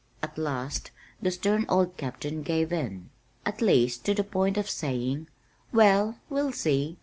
At last the stern old Captain gave in, at least to the point of saying, "Well, we'll see.